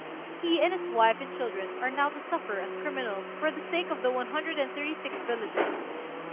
He and his wife and children are now to suffer as criminals for the sake of the one hundred and thirty six villages.